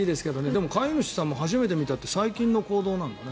でも飼い主さんも初めて見たって最近の行動なんだね。